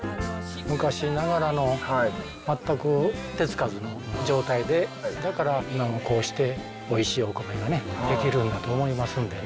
昔ながらの全く手付かずの状態でだから今もこうしておいしいお米がね出来るんだと思いますんでね